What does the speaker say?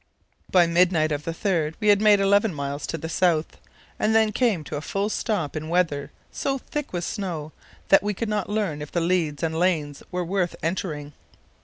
By midnight of the 3rd we had made 11 miles to the south, and then came to a full stop in weather so thick with snow that we could not learn if the leads and lanes were worth entering.